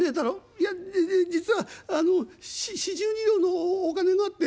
『いやじ実はあのし４２両のおお金があって』。